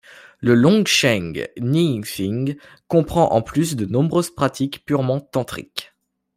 Le Longchen Nyingthig comprend en plus de nombreuses pratiques purement tantriques.